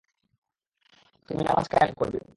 তুমি নামায কায়েম করবে।